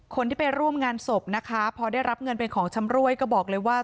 คนที่ไปร่วมงานศพนะคะพอได้รับเงินเป็นของชำรวยก็บอกเลยว่า